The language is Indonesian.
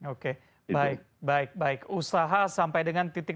oke baik baik usaha sampai dengan titik